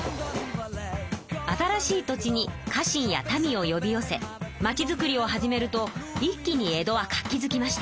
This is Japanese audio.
新しい土地に家臣やたみをよび寄せ町づくりを始めると一気に江戸は活気づきました。